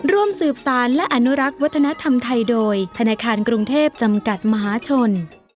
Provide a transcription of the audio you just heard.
ร่วมสืบสารและอนุรักษ์วัฒนธรรมไทยโดยธนาคารกรุงเทพจำกัดมหาชน